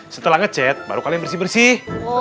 setelah ngecet baru kalian bersih bersih